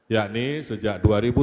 yakni sejak dua ribu tujuh belas